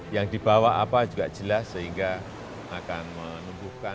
yang dibawa apa juga jelas sehingga akan menumbuhkan